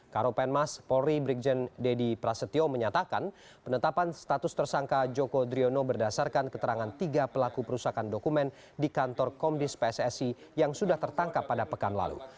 karopen mas polri brigjen deddy prasetyo menyatakan penetapan status tersangka joko driono berdasarkan keterangan tiga pelaku perusahaan di kantor komdis pssi yang sudah tertangkap pada pekan lalu